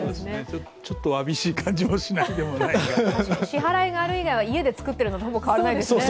ちょっとわびしい感じもしないでもないが支払いがないなら、家で作ってるのと変わりないですね。